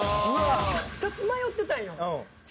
２つ迷ってたんよ。